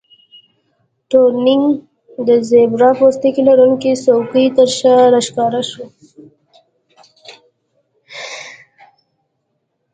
ټورینګ د زیبرا پوستکي لرونکې څوکۍ ترشا راښکاره شو